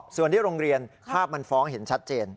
ส่วนที่โรงเรียนภาพมันฟ้องเห็นชัดเจน